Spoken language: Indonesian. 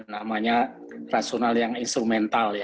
namanya rasional yang instrumental